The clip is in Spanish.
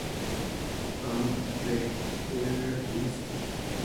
And the Wiener Is...